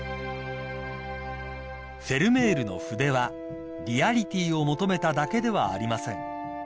［フェルメールの筆はリアリティーを求めただけではありません］